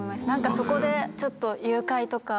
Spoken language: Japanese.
そこでちょっと誘拐とか。